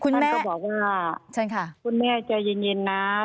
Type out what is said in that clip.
คุณแม่ท่านก็บอกว่าฉันค่ะคุณแม่จะเย็นเย็นนะ